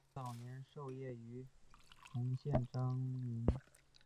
唐龙早年受业于同县章懋。